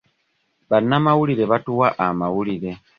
Bannamawulire batuwa amawulire.